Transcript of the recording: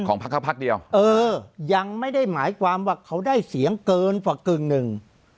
พักเขาพักเดียวเออยังไม่ได้หมายความว่าเขาได้เสียงเกินกว่ากึ่งหนึ่ง